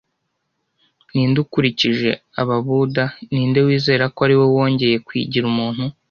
Ninde ukurikije ababuda, ninde wizera ko ariwe wongeye kwigira umuntu